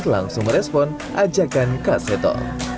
langsung merespon ajakan kak seto